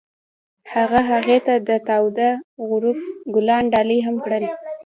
هغه هغې ته د تاوده غروب ګلان ډالۍ هم کړل.